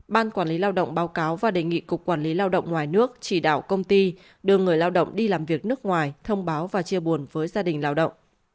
ban quản lý lao động báo cáo và đề nghị cục quản lý lao động ngoài nước chỉ đạo công ty đưa người lao động đi làm việc nước ngoài thông báo và chia buồn với gia đình lao động